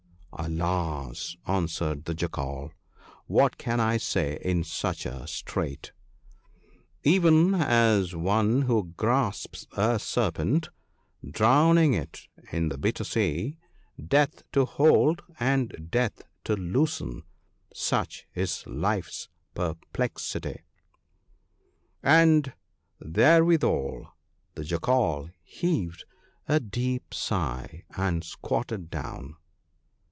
' Alas !' answered the Jackal, ' what can I say in such a strait !—" Even as one who grasps a serpent, drowning in the bitter sea, Death to hold and death to loosen — such is life's perplexity. " "And therewithal the Jackal heaved a deep sigh, and squatted down.